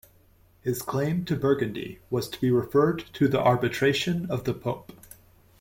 His claim to Burgundy was to be referred to the arbitration of the Pope.